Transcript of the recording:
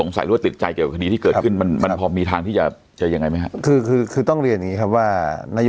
สงสัยรัวติดใจกับคดีที่เกิดขึ้นมันพอมีทางที่จะเจอยังไง